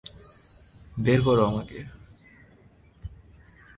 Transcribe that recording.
বের করো আমাকে!